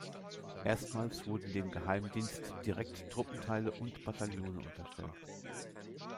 Erstmals wurden dem Geheimdienst direkt Truppenteile und Bataillone unterstellt.